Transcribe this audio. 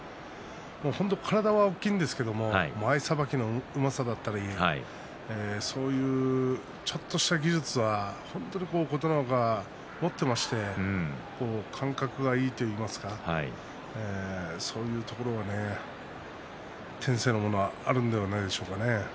体は大きいんですが前さばきのうまさだったりそういうちょっとした技術は本当に琴ノ若、持っていまして感覚がいいといいますかそういうところが天性のものがあるんではないでしょうか。